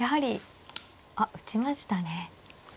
あっ打ちましたね。